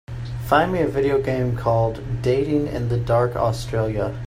Find me a video game called Dating in the Dark Australia